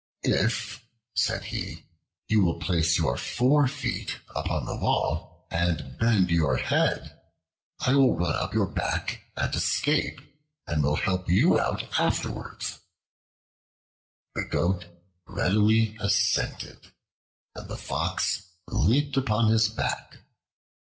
"If," said he, "you will place your forefeet upon the wall and bend your head, I will run up your back and escape, and will help you out afterwards." The Goat readily assented and the Fox leaped upon his back.